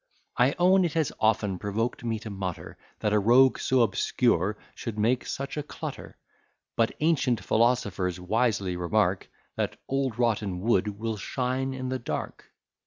I own it has often provoked me to mutter, That a rogue so obscure should make such a clutter; But ancient philosophers wisely remark, That old rotten wood will shine in the dark.